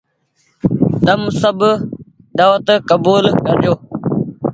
تم سب دآوت ڪبول ڪرجو۔